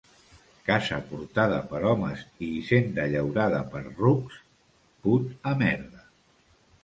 Casa portada per homes i hisenda llaurada per rucs, put a merda.